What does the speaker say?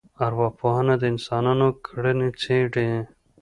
ارواپوهنه د انسانانو کړنې څېړي